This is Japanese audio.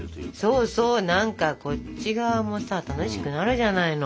そうそう何かこっち側もさ楽しくなるじゃないの。